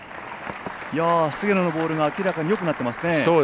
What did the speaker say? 菅野のボール、明らかによくなっていますね。